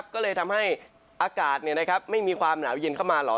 ก็เลยทำให้อากาศไม่มีความหนาวเย็นเข้ามาเหรอ